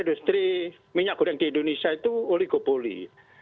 industri minyak goreng di indonesia itu oligopoli